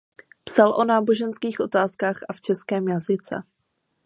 Psal o náboženských otázkách a v českém jazyce.